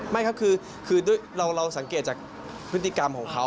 ไม่ครับคือเราสังเกตจากพฤติกรรมของเขา